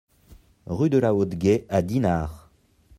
Rue de la Haute Guais à Dinard